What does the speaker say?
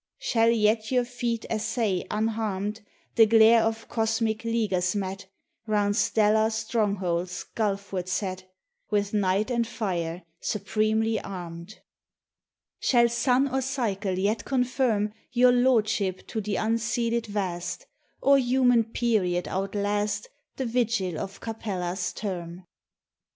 Shall yet your feet essay, unharmed, The glare of cosmic leaguers met Round stellar strongholds gulfward set, With night and fire supremely armed? 55 THE TESTIMONY OF THE SUNS. Shall sun or cycle yet confirm Your lordship to the unceded Vast, Or human period outlast The vigil of Capella's term?